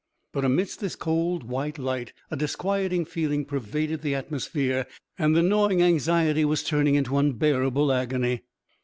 But amidst this cold white light a disquieting feeling pervaded the atmosphere and the gnawing anxiety was turning into unbearable agony.